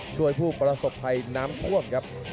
ช่วยผู้ประสบภัยน้ำคว่มครับ